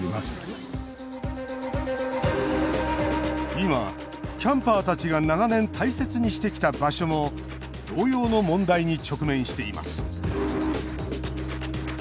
今、キャンパーたちが長年、大切にしてきた場所も同様の問題に直面しています。